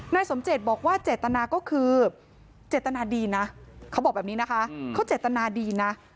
นายสมเจตบอกว่าเจตนาก็คือเจตนาดีนะเขาบอกแบบนี้นะคะเขาเจตนาดีนะ